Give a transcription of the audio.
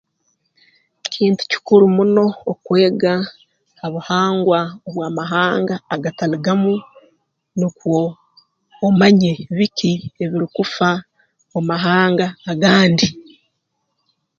Kintu kikuru muno okwega ha buhangwa obw'amahanga agatali gamu nukwo omanye biki ebirukufa omu mahanga agandi